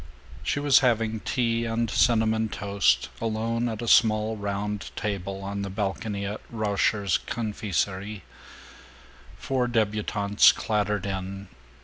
She was having tea and cinnamon toast, alone at a small round table on the balcony of Rauscher's Confiserie. Four debutantes clattered in.